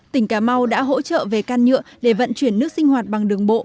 tỉnh cà mau đã hỗ trợ về can nhựa để vận chuyển nước sinh hoạt bằng đường bộ